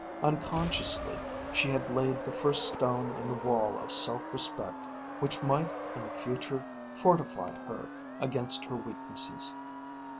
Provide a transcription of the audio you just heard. Unconsciously she had laid the first stone in the wall of self respect which might in the future fortify her against her weaknesses.